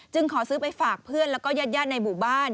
ขอซื้อไปฝากเพื่อนแล้วก็ญาติในหมู่บ้าน